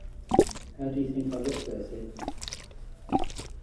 How do you think I look, Bertie?